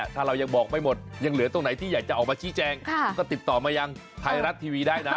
ถ้าเรายังบอกไม่หมดยังเหลือตรงไหนที่อยากจะออกมาชี้แจงก็ติดต่อมายังไทยรัฐทีวีได้นะ